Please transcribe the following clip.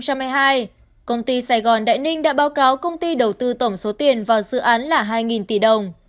công ty sài gòn đại ninh đã báo cáo công ty đầu tư tổng số tiền vào dự án là hai tỷ đồng